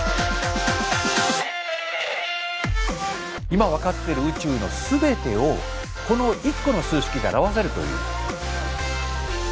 今分かってる宇宙のすべてをこの１個の数式で表せるという。